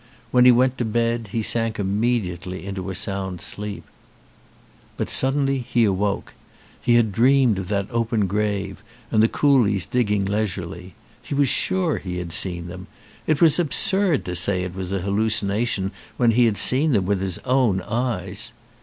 When he went to bed he sank immediately into a sound sleep. But suddenly he awoke. He had dreamed of that open grave and the coolies digging leisurely. He was sure he had seen them. It was absurd to say it was an hallucination when he had seen them with his own eyes.